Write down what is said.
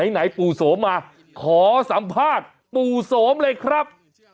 ไหนปู่โสมมาขอสัมภาษณ์ปู่โสมเลยครับ